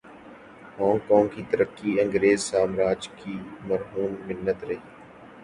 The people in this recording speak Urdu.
ہانگ کانگ کی ترقی انگریز سامراج کی مرہون منت رہی۔